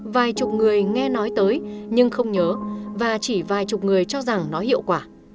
vài chục người nghe nói tới nhưng không nhớ và chỉ vài chục người cho rằng nó hiệu quả